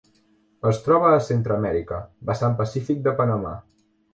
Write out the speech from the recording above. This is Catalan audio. Es troba a Centreamèrica: vessant pacífic de Panamà.